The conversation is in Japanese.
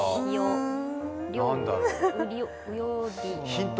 ヒント